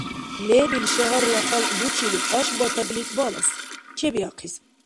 – Лебил шагьарла халкь бучили, тӀашбатадли, балас, чебиахъис.